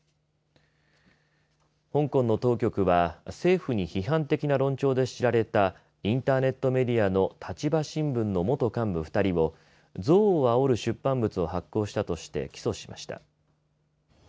香港の当局は政府に批判的な論調で知られたインターネットメディアの立場新聞の元幹部２人を憎悪をあおる出版物を発行したとして起訴しました。